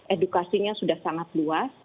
edukasinya sudah sangat luas